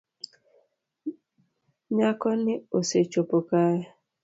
Nyakoni osechopo kae